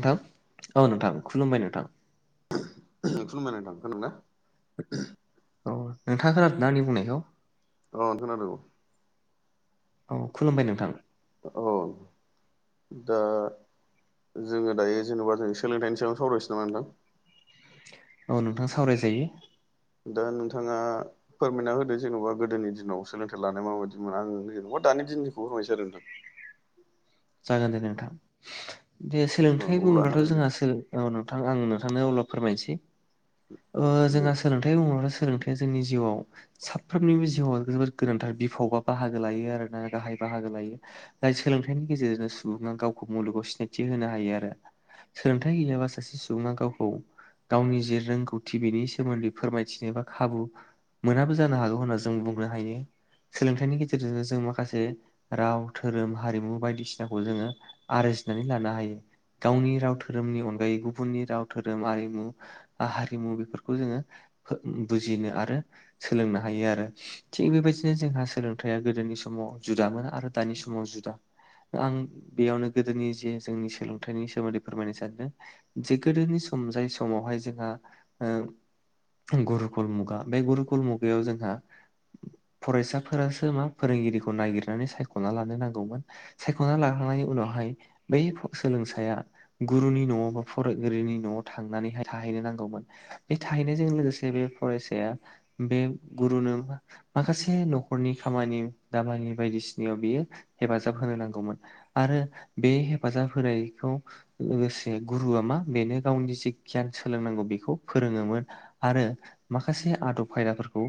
हेल' नोंथां औ नोंथां खुलुमबाय नोंथां खुलुमबाय नोंथां खोनादों ना औ नोंथाङा खोनादोंना आंनि बुंनायखौ अ खोनादों औ औ खुलुमबाय नोंथां औ दा जोङो दायो जेनेबा जों सोलोंथाइनि सायावनो सावरायसै नामा नोंथां औ नोंथां सावरायजायो दा नोंथाङा फोरमायना होदो जेन'बा गोदोनि दिनाव सोलोंथाइ लानाय माबायदिमोन आं जेनेबा दानि दिननिखौ होननायसाय आरो नोंथां जागोन दे नोंथां दे औ सोलोंथाइ अब्ला बुंङोबाथ' थां जोंहा औ नोंथां आं नोंथांनो अब्ला फोरमायनोसै दे जोंहा सोलों थाय बुङोब्ला सोलोंथाया जोंनि जिउआव साफ्रोमनिबो जिउआव जोबोर गोनांथार बिफाव बा बाहागो लायो आरोना गाहाय बाहागो लायो जाय सोलोंथाइनि गेजेरजों सुबुङा गावखौ मुलुगाव सिनायथि होनो हायो आरो सोलोंथाइ गैयाबा सासे सुबुङा गावखौ गावनि जे रोंगौथि बेनि सोमोन्दै फोरमायथियो बा खाबु मोनाबो जानो हागौ होनना जों बुंनो हायो सोलोंथाइनि गेजेरजोंनो जों माखासे राव धोरोम हारिमु बायदि बायदिसिनाखौ जोङो आरजिनानै लानो हायो गावनि राव धोरोमनि अनगायै गुबुननि राव धोरोम आरिमु हारिमु बेफोरखौ जोङो बुजिनो आरो सोलोंनो हायो आरो थिग बेबायदिनो जोंहा सोलोंथाइया गोदोनि समाव जुदामोन आरो दानि समाव जुदा आं बेयावनो गोदोनि जे जोंनि सोलोंथाइनि सोमोन्दै फोरमायनो सानदों जे गोदोनि सम जाय समावहाय जोंहा गुरुखुल मुगा बे गुरुखुल मुगायाव जोंहा फरायसाफोरासो मा फोरोंगिरिखौ नागिरनानै सायख'ना लानो नांगौमोन सायख'ना लाखांनायनि उनावहाय बै सोलोंसाया गुरुनि न'आव बा फरायगिरिनि न'आव थांनानैहाय थाहैनो नांगौमोन बे थाहैनायजों लोगोसे बे फरायसाया बे गुरुनो माखासे न'खरनि खामानि दामानि बायदिसिनायाव बियो हेफाजाब होनो नांगोन आरो बे हेफाजाब होनायखौ लोगोसे गुरुआ मा बेनो गावनि जे गियान सोलोंनांगौ बेखौ फोरोङोमोन आरो माखासे आदब खायदाफोरखौ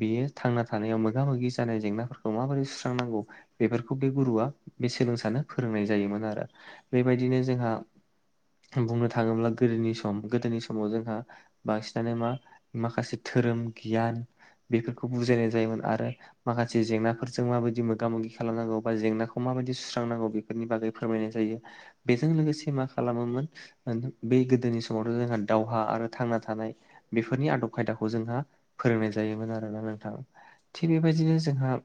बेयो थांना थानायाव मोगा मोगि जानाय जेंनाफोरखौ माबोरै सुस्रांनांगौ बेफोरखौ बे गुरुआ बे सोलोंसानो फोरोंनाय जायोमोन आरो बेबायदिनो जोंहा बुंनो थाङोब्ला गोदोनि सम गोदोनि समाव जोंहा बांसिनानो मा माखासे धोरोम गियान बेफोरखौ बुजायनाय जायोमोन आरो माखासे जेंनाफोरजों माबायदि मोगा मोगि खालामनांगौ बा जेंना खौ माबायदि सुस्रांनांगौ बेफोरनि बागै फोरमायनाय जायो बेजों लोगोसे मा खालामोमोन बे गोदोनि समावथ' जोंहा दावहा आरो थांना थानाय बेफोरनि आदब खायदाखौ जोंहा फोरोंनाय जायोमोन आरोना नोंथां थिग बेबायदिनो जोंहा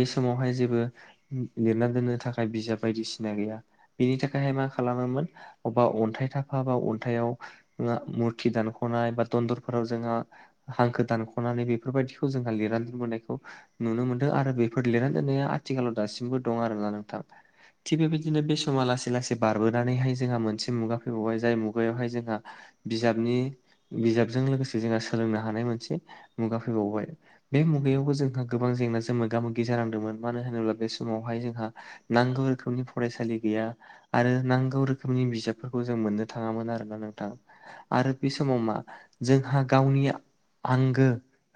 बे समावहाय जेबो लिरना दोननो थाखाय बिजाब बायदिसिना गैया बिनि थाखायहाय मा खालामोमोन अबेबा अन्थाइ थाफा बा अन्थायाव जोंहा मुर्थि दानख'नाय बा दन्दरफोराव जोंहा हांखो दानख'नानै बेफोरबायदिखौ जोंहा लिरनानै दोनबोनायखौ नुनो मोनदों आरो बेफोर लिरना दोननाया आथिखालाव दासिमबो दं आरोना नोंथां थिग बेबायदिनो बे समा लासै लासै बारबोनानैहाय जोंहा मोनसे मुगा फैबावबाय जाय मुगायावहाय जोंहा बिजाबनि बिजाबजों लोगोसे जोंहा सोलोंनो हानाय मोनसे मुगा फैबावबाय। बे मुगायावबो जोंहा गोबां जेंनाजों मोगा मोगि जानांदोंमोन मानो होनोब्ला बे समावहाय जोंहा नांगौ रोखोमनि फरायसालि गैया आरो नांगौ रोखोमनि बिजाबफोरखौ जों मोननो थाङामोन आरोना नोंथां। आरो बे समाव मा जोंहा गावनि आंगो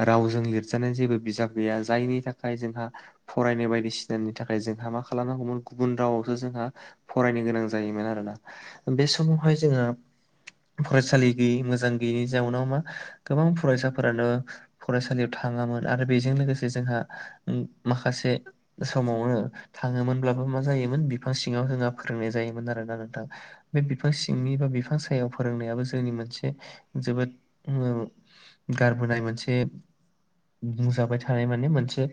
रावजों लिरजानाय जेबो बिजाब गैया जायनि थाखाय जोंहा फरायनाय बायदिसि जोंनि थाखाय जोंहा मा खालामनांगौमोन गुबुन रावावसो जोंहा फरायनो गोनां जायोमोन आरोना। बे समावहाय जोङो फरायसालि गैयि मोजां गैयैनि जाउनाव मा गोबां फरायसाफोरानो फरायसालियाव थाङामोन आरो बेजों लोगोसे जोंहा उम माखासे समावनो थाङोमोनब्लाबो मा जायोमोन बिफां सिङाव जोंहा फोरोंनाय जायोमोन आरोना नोंथां। बे बिफां सिंनि बा बिफां सायाव फोरोंनायाबो जोंनि मोनसे जोबोद ओ गारबोनाय मोनसे बुंजाबाय थानाय माने मोनसे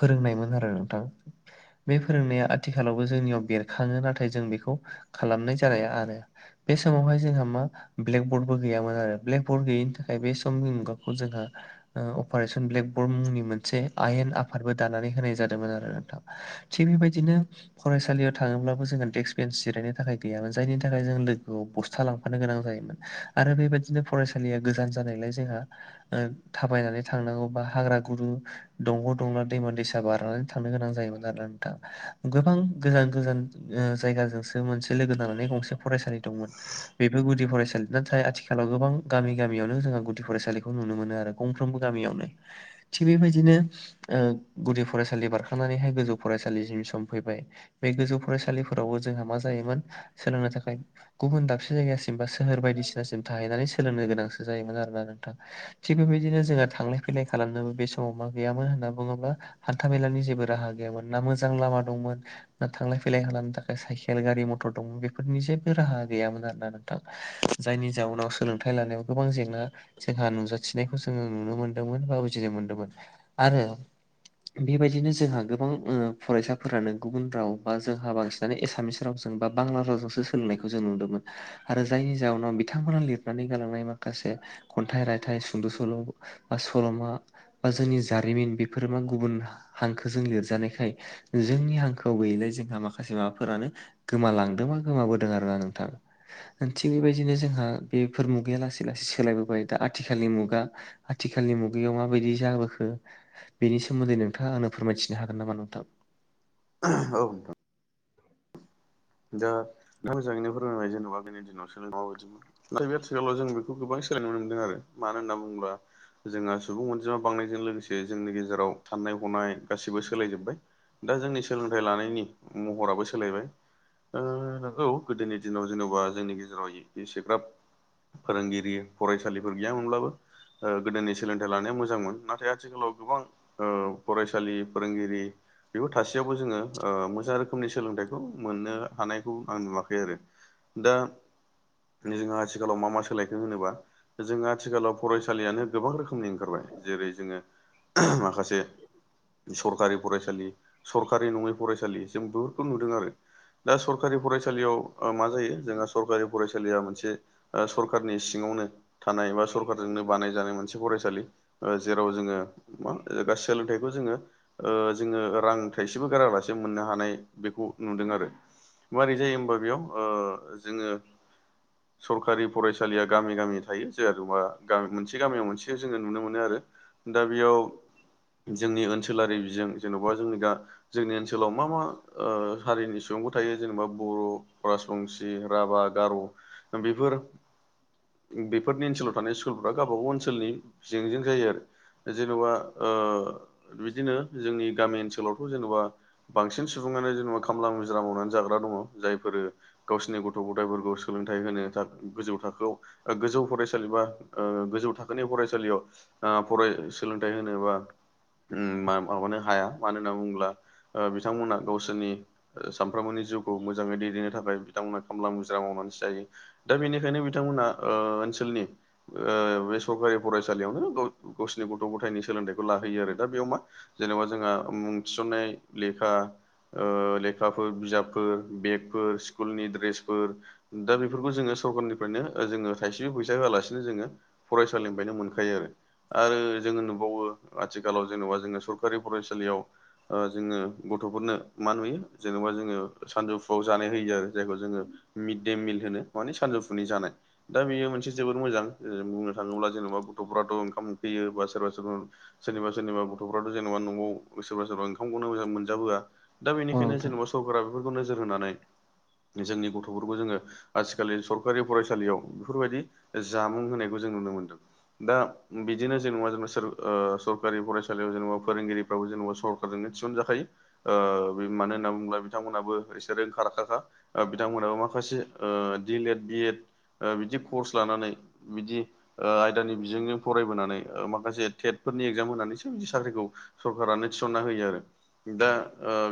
फोरोंनायमोन आरो नोंथां बे फोरोंनाया आथिखालावबो जोंनियाव बेरखाङो नाथाय जों बेखौ खालामनाय जालाया आरो बे समावहाय जोंहा मा ब्लेक बरडबो गैयामोन आरो ब्लेक बर्ड गैयिनि थाखाय बे समनि मुगाखौ जोंहा ओ अपारेशन ब्लेकबर्ड मुंनि मोनसे आयेन आफादबो दानानै होनाय जादोंमोन आरो नोंथां। थिग बेबायदिनो फरायसालियाव थाङोब्लाबो जोङो डेक्क बेन्स जिरायनो थाखाय गैयामोन जायनि थाखाय जों लोगोआव बस्था लांफानो गोनां जायोमोन। आरो बेबायदिनो फरायसालिया गोजान जानायलाय जोंहा ओ थाबायनानै थांनांगौ बा हाग्रा गुरु दंग' दंला दैमा दैसा बारनानै थांनो गोनां जायोमोन आरोना नोंथां। गोबां गोजान गोजान जायगाजोंसो मोनसे लोगो नांनानै गंसे फरायसालि दंमोन। बेबो गुदि फरायसालि नाथाय आथिखालाव गोबां गामि गामियावनो जोंहा गुदि फरायसालिखौ नुनो मोनो आरो। गंफ्रोमबो गामियावनो थिग बेबायदिनो ओ गुदि फरायसालि बार खांनानैहाय गोजौ फरायसालिनि सम फैबाय बे गोजौ फरायसालिफोरावबो जोंहा मा जाहैबाय सोलोंनो थाखाय गुबुन दाबसे जायगासिम बा सोहोर बायदिसिनासिम थाहैनानै सोलोंनो गोनांसो जायोमोन आरोना नोंथां। थिग बेबायदिनो जोंहा थांलाय फैलाय खालामनोबो बे समाव मा गैयामोन होनना बुङोब्ला हान्था मेलानि जे बो राहा गैयामोन ना मोजां लामा दंमोन ना थांलाय फैलाय खालामनो थाखाय साइकेल गारि मथर दं बेफोरनि जेबो राहा गैयामोन आरो ना नों थां जायनि जाउनाव सोलोंथाइ लानायाव गोबां जेंना जोंहा नुजाथिनायखौ जोङो नुनो मोनदोंमोन बा बुजिनो मोनदोंमोन आरो बेबायदिनो जोंहा गोबां फरायसाफोरानो गुबुन राव बा जोंहा बांसिनानो एसामिस रावजों बा बांला रावजोंसो सोलोंनायखौ जों नुदोंमोन आरो जायनि जाउनाव बिथांमोना लिरनानै गालांनाय माखासे खन्थाइ रायथाइ सुंद' सल' बा सल'मा बा जोंनि जारिमिन बेफोर मा गुबुन हांखोजों लिरजानायखाय जोंनि हांखोआव गैयैलाय जोंहा माखासे माबाफोरानो गोमालांदोंबा गोमाबोदों आरोना नोंथां। थिग बेबायदिनो जोंहा बेफोर मुगाया लासै लासै सोलायबोबाय दा आथिखालनि मुगा आथिखालनि मुगायाव माबायदि जाबोखो बेनि सोमोन्दै नों नोंथाङ आं फोरमायथिनो हागोन नामा नोंथां? औ नोंथां। दा नोंथां जाङैनो फोरमोंनाय जेनेबा आगैनि दिनाव सोलों माबायदिमोन बे आथिखालाव जों बेखौ गोबां सोलायनाय ननो मोनदों आरो मानो होनना बुङोब्ला जोंहा सुबुं अनजिमा बांनायजों लोगोसे जोंनि गेजेराव साननाय हनाय गासैबो सोलायजोब्बाय। दा जोंनि सोलोंथाइ लानायनि महराबो सोलायबाय। नंगौ गोदोनि दिनाव जेनेबा जोंनि गेजेराव एसेग्राब फोरोंगिरि फरायसालिफोर गैयामोनब्लाबो ओ गोदोनि सोलोंथाइ लानाया मोजांमोन नाथाय आथिखालाव गोबां ओ फरायसालि फोरोंगिरि बेफोर थासेयावबो जोङो मोजां रोखोमनि सोलोंथाइखौ मोननो हानायखौ आं नुवाखै आरो दा जोङा आथिखालाव मा मा सोलायखो होनोबा जों आथिखालाव फरायसालियानो गोबां रोखोमनि ओंखारबाय जेरै जोङो माखासे सरखारि फरायसालि सरकारि नङै फरायसालि जों बेफोरखौ नुदों आरो। दा सरखारि फरायसालियाव मा जायो जोंहा सरकारि फरायसालिया मोनसे दा सरखारनि सिङावनो थानाय बा सरखारजोंनो बानायजानाय मोनसे फरायसालि ओ जेराव जोङो मा सोलोंथाइखौ जोङो ओ जोङो रां थाइसेबो गारालासे मोननो हानाय बेखौ नुदों आरो। माबारै जायो होमबा बेयाव ओ जोङो सरखारि फरायसालिया गामि गामि थायो जेरैबा गामि मोनसे गामियाव मोनसे जोङो नुनो मोनो आरो। दा बेयाव जोंनि ओनसोल ओनसोलारि बिजों जेनबा जोंनि दा जोंनि ओनसोलाव मा मा ओ हारिनि सुबुंबो थायो जेनेबा बर', राजबंसि, राभा, गार' बेफोर बेफोरनि ओनसोलाव थानाय स्कुलफोरा गावबा गाव ओनसोलनि बिजोंजों जायो आरो। जेनेबा ओ बिदिनो जोंनि गामि ओनसोलावथ' जेनबा बांसिन सुबुङानो जेनेबा खामला हाजिरा मावनानै जाग्रा दङ जायफोर गावसिनि गथ' गथायफोरखौ सोलोंथाइ होनो थाखाय गोजौ थाखोआव गोजौ फरायसालि बा ओ गोजौ थाखोनि फरायसालियाव आ फराय सोलोंथाइ होनोबा उम माबानो हाया मानो होनना बुङोब्ला ओ बिथांमोना गावसोरनि सानफ्रामबोनि जिउखौ मोजाङै दैदेननो थाखाय बिथांमोन खामला मुजिरा मावनानैसो जायो दा बेनिखायनो बिथांमोना ओ ओनसोलनि ओ बेसरकारि फरायसालियावनो गावसिनि गथ' गथायनि सोलोंथाइखौ लाहोयो आरो दा बेयाव मा? जेनेबा जोंहा मुं थिसननाय लेखा ओ ले खाफोर बिजाबफोर बेगफोर स्कुलनि दड्रेसफोर दा बेफोरखौ जोङो सरखारनिफ्रायनो जोङो थाइसेबो फैसा होआलासिनो जोङो फरायसालिनिफ्रायनो मोनखायो आरो। आरो जोङो नुबावो आथिखालाव जेनेबा जोङो सरखारि फरायसालियाव ओ जोङो गथ'फोरनो मा नुयो ओ जेनेबा जोङो सानजौफुआव जानाय होयो आरो जायखौ जोङोबो मिडडे मिल होनो मानानि सानजौफुनि जानाय दा बेयो मोनसे जोबोद मोजां बुंनो थाङोब्ला जेनबा गथ'फ्राथ' ओंखाम उखैयो बा सोरबा सोरबा सोरनिबा सोरनिबा गथ'फ्राथ' जेनेबा न'वाव सोरबा सोरबा ओंखामखौनो मोनजाबोआ दा औ बेनिखायनोथ' नोंथां सरकारा बेफोरखौ नोजोर होनानै जोंनि गथ'फोरखौ जोङो। आजिखालि सरकारि फरायसालियाव बेफोरबायदि जामुं होनायखौ जों नुनो मोनदों। दा बिदिनो जेनेबा जेनेबा ओ सरकारि फरायसालियाव जेनेबा फोरोंगिरि जेनेबा सरखारजोंनो थिसनजाखायो ओ मानो होननानै बिथांमोनहाबो एसे रोंखा राखाखा बिथांमोनाबो माखासे ओ डिइलेएड बि एड बिदि कर्स लानानै बिदि ओ आयदानि बिजोंजों फरायबोनानै माखासे टेटफोरनि एग्जाम होनानै सोर बिदि साख्रिखौ ओ सरखारारानो थिसनना होयो आरो दा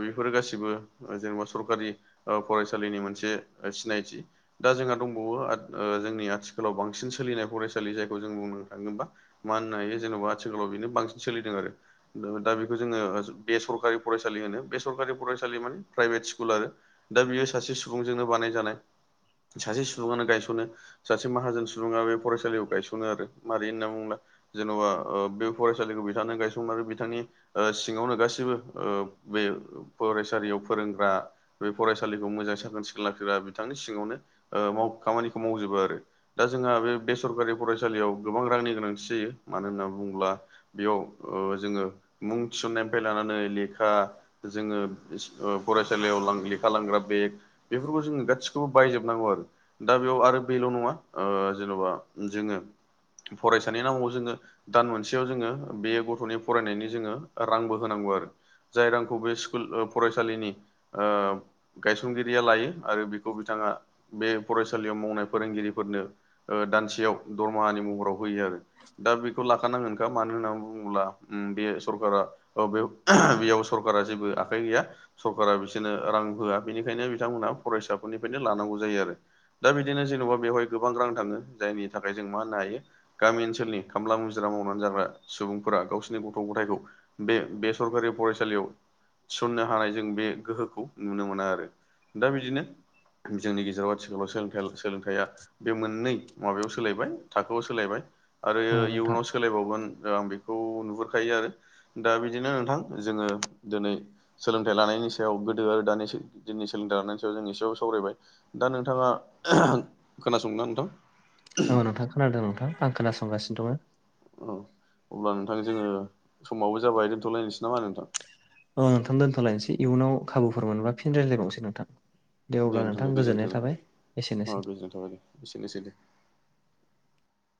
बेफोरो गासिबो ओ जेनेबा सरखारि ओ फरायसालिनि मोनसे सिनायथि। दा जोंहा दंबावो जोंनि आथिखालाव बांसिन सोलिनाय फरायसालि जायखौ जों बुंनो थाङोबा। मा होननो हायो जेनेबा आथिखालाव बेनो बांसिन सोलिदों आरो ना दा बेखौ जोङो बे सरकारि फरायसालि होनो बे सरकारि फरायसालिखौ माने प्राइभेट स्कुल आरो दा बियो सासे सुबुंजोंनो बानायजानाय ओ सासे सुबुङानो गायस'नोनो सासे माहाजोन सुबुङा बे फरायसालियाव गायस'नो आरो मारै होनना बुंङोब्ला जेन'बा बे फरायसालिखौ बिथांनो गायसंङो आरो बिथांनि सिङावनो गाैबो बे फरायसालियाव फोरोंग्रा बे फरायसालिखौ मोजां साखोन सिखोन लाखिग्रा बिथांनि सिङावनो खामानिखौ मावजोबो आरो दा जोंहा बे बेसरकारि फरायसालियाव गोबां रांनि गोनांथि जायो मानो होनना बुङोब्ला। बेयाव जोङो मुं थिसन्नायनिफ्राय लानानै लेखा जोङो फरायसालियाव लेखा लांग्रा बेग बेफोरखौ जोङो गासिखौबो बायजोबो नांगौ आरो दा बेयाव आरो बेल' नङा जेन'बा जोङो फरायसानि नामाव जोङो। दान मोनसेयाव जोङो बे गथ'नि फरायनायनि जोङो रांबो होनांगौ आरो। ओ जाय रांखौ बे स्कुल फरायसालिनि गायसनगिरिया लायो आरो बेखौ बिथाङा ओ बे फरायसालियाव मावनाय फोरोंगिरिफोरनो दानसेयाव दरमाहानि महराव होयो आरो। दा बेखौ लाखानांगोनखा मानो होननानै बुङोब्ला बे सरखा बे बेयाव सरकारा जेबो आखाइ गैया सरकारा बिसोरनो रां होआ बेनिखायनो बिथांमोनहा फरायसाफोरनिफ्रायनो लानांगौ जायो आरो। दा बिदिनो जेन'बा बेवहाय गोबां रां थाङो जायनि थाखाय जों मा होननो हायो। आं मा गामि ओनसोलनि खामला मुजिरा मावनानै जाग्रा सुबुंफोरा गावसिोरनि गथ' गथायखौ बे बे सरकारि फरायसालियाव थिसननो हा हानाय जों बे गोहोखौ नुनो मोनो आरो दा बिदिनो जोंनि गेजेराव आथिखालाव सोलोंथाइया बे मोननै माबायाव सोलायबाय थाखोआव सोलायबाय आरो औ नोंथां इयुनाव सो सोलायबावगोन आं बेखौ नुहुरखायो आरो दा बिदिनो नोंथां जोङो दिनै ओ सोलोंथाइ लानायनि सायाव गोदो आरो दानि दिननि सोलोंथाइ लानायनि सायाव जों एसेबबो सावरायबाय। दा नोंथाङा खोनासंनो ना नोंथां औ नोंथां खोनादों नोंथां आं खोनासंगासिनो दङ। औ अब्ला नोंथां जोङो समावबो जाबाय दोनथ'लायनोसै नामा नोंथां। औ नथां दोनथ'लायनोसै इयुनाव खाबुफोर मोनबा फिन रायज्लायबावनोसै नोंथां। दे अब्ला नोंथां गोजोननाय थाबाय एसेनोसै। औ गोजोननाय थाबाय दे। एसेनोसै दे।